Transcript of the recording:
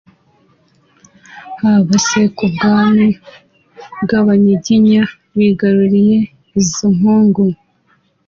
haba se ku bw’abami bw’Abanyiginya bigaruriye izo mpugu